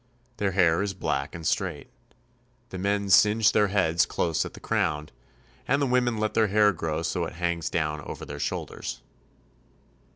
Their hair is black and straight. The men singe their heads close at the crown, and the women let their hair grow so that it hangs down over their shoulders. Onas.